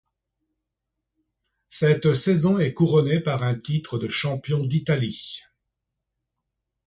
Cette saison est couronnée par un titre de champion d'Italie.